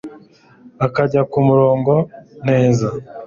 akajya ku murongo neza